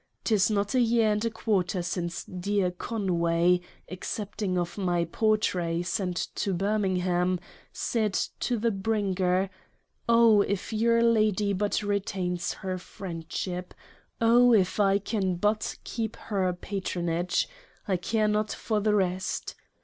'Tis not a year and quarter since dear Conway, accepting of my Portrait sent to Birmingham, said to the Bringer ■' Oh if your Lady but retains her Friendship: Oh if I can but keep her Patronage 1 care not for the rest.'